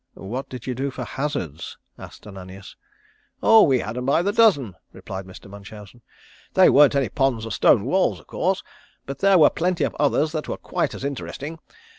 "What did you do for hazards?" asked Ananias. "Oh we had 'em by the dozen," replied Mr. Munchausen. "There weren't any ponds or stone walls, of course, but there were plenty of others that were quite as interesting.